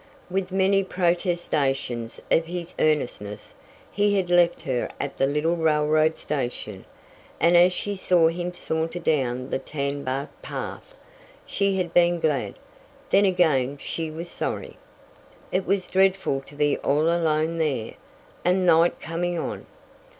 With many protestations of his earnestness he had left her at the little railroad station, and as she saw him saunter down the tan barked path, she had been glad; then again she was sorry. It was dreadful to be all alone there, and night coming on.